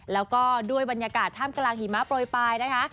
แล้วก็ด้วยบรรยากาศท่ามกลางหิมะโปรยปลายนะคะ